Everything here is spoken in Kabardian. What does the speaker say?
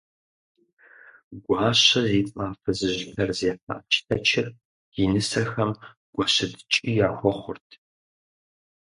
Гуащэ зи цӏэ а фызыжь лъэрызехьэ ӏэчлъэчыр, и нысэхэм гуащэ ткӏий яхуэхъурт.